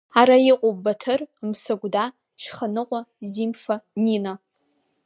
Ара иҟоуп Баҭыр, Мсыгәда, Шьханыҟәа, Зимфа, Нина.